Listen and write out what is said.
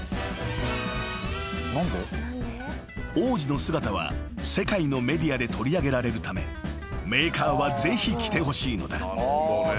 ［王子の姿は世界のメディアで取り上げられるためメーカーはぜひ着てほしいのだ］